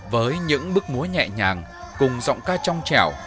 với những bức múa nhẹ nhàng cùng giọng ca trong trẻo